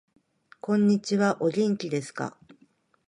こんにちはお元気ですか